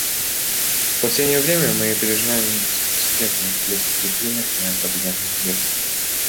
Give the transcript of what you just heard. В последнее время мы переживаем беспрецедентный всплеск стихийных и антропогенных бедствий.